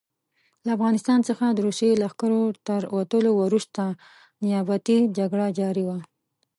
له افغانستان څخه د روسي لښکرو تر وتلو وروسته نیابتي جګړه جاري وه.